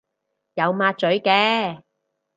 有抹嘴嘅